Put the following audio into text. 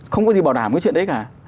không có gì bảo đảm cái chuyện đấy cả